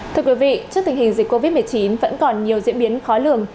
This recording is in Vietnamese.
thưa quý vị trước tình hình dịch covid một mươi chín vẫn còn nhiều diễn biến khó lường